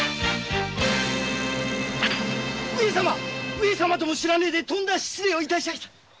上様とも知らねえでとんだ失礼を致しやした。